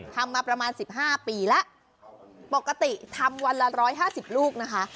ทำมาประมาณสิบห้าปีแล้วปกติทำวันละ๑๕๐ลูกนะคะ